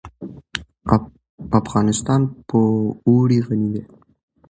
افغانستان په اوړي غني دی.